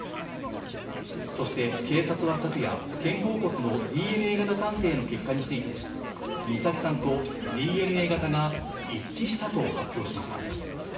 そして警察は昨夜、肩甲骨のＤＮＡ型鑑定の結果について、美咲さんとＤＮＡ型が一致したと発表しました。